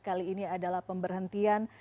kali ini adalah pemberhentian